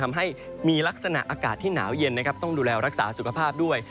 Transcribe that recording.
มีลักษณะอากาศที่หนาวเย็นต้องดูแลรักษาสุขภาพด้วย